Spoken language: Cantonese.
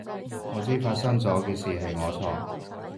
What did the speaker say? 我知發生咗嘅事係我錯